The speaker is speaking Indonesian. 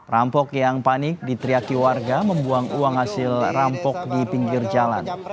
rampok yang panik ditriaki warga membuang uang hasil rampok di pinggir jalan